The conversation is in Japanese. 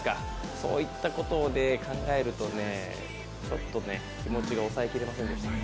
そういったことを考えるとちょっとね、気持ちが抑え切れませんでした。